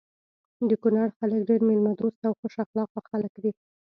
د کونړ خلک ډير ميلمه دوسته او خوش اخلاقه خلک دي.